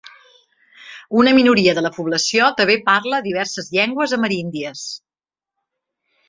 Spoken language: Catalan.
Una minoria de la població també parla diverses llengües ameríndies.